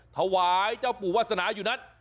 ถวายเจ้าปู่วาสนาอยู่นั้น